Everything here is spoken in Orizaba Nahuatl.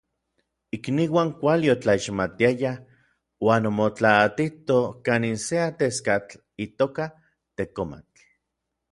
Ikniuan kuali otlaixmatiayaj uan omotlaatitoj kanin se ateskatl itoka Tekomatl.